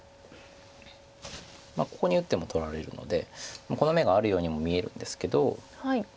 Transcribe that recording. ここに打っても取られるのでこの眼があるようにも見えるんですけど。